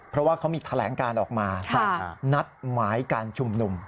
เพราะว่าเขามีแถลงการออกมานัดหมายการชุมนุม